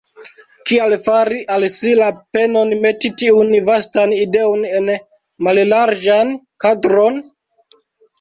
Kial fari al si la penon meti tiun vastan ideon en mallarĝan kadron?